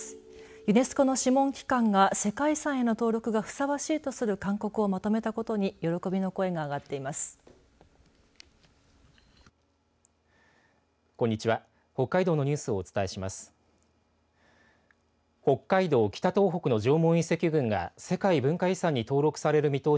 ユネスコの諮問機関が世界遺産への登録がふさわしいとする勧告をまとめたことに喜びの声が上がっています。